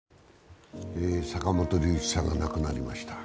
坂本龍一さんが亡くなりました。